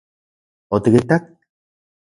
¿Otikitak...?